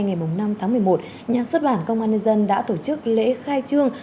ngày năm tháng một mươi một nhà xuất bản công an nhân dân đã tổ chức lễ khai trương